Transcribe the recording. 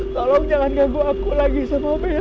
tolong jangan ganggu aku lagi sama bela